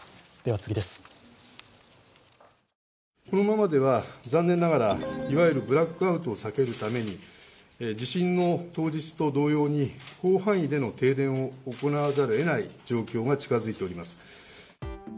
このままでは残念ながらいわゆるブラックアウトを避けるために地震の当日と同様に広範囲での停電を行わざるをえない状況が近づいております。